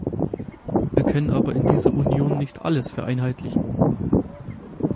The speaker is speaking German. Wir können aber in dieser Union nicht alles vereinheitlichen.